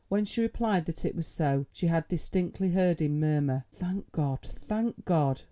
When she replied that this was so, she had distinctly heard him murmur, "Thank God! thank God!"